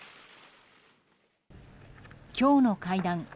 今日の会談